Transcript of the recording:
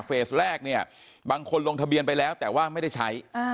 แรกเนี่ยบางคนลงทะเบียนไปแล้วแต่ว่าไม่ได้ใช้